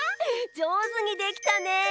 じょうずにできたね。